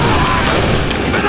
今だ！